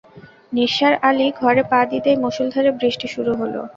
নিসার আলি ঘরে পা দিতেই মুষলধারে বৃষ্টি শুরু হলো।